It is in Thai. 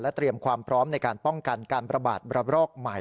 เตรียมความพร้อมในการป้องกันการประบาดระบรอกใหม่